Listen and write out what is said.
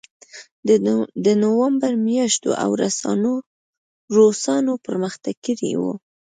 د نومبر میاشت وه او روسانو پرمختګ کړی و